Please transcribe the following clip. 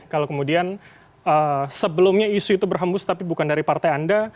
kalau kemudian sebelumnya isu itu berhembus tapi bukan dari partai anda